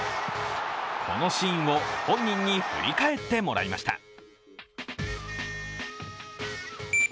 このシーンを本人に振り返ってもらいました。